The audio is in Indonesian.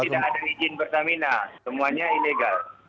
tidak ada izin pertamina semuanya ilegal